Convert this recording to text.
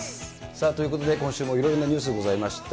さあ、ということで、今週もいろいろなニュースございました。